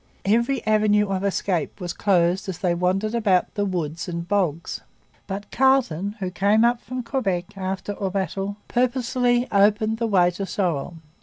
Every avenue of escape was closed as they wandered about the woods and bogs. But Carleton, who came up from Quebec after the battle was all over, purposely opened the way to Sorel.